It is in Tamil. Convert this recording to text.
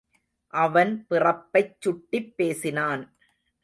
அவன் பிறப்பைச் சுட்டிப் பேசினான்.